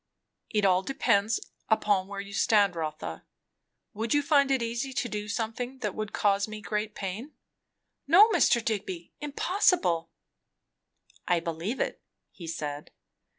"It all depends upon where you stand, Rotha. Would you find it easy to do something that would cause me great pain?" "No, Mr. Digby, impossible." "I believe it," he said.